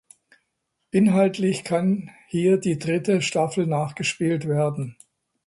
Inhaltlich kann hier die dritte Staffel nachgespielt werden.